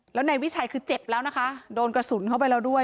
แล้วนายวิชัยคือเจ็บแล้วนะคะโดนกระสุนเข้าไปแล้วด้วย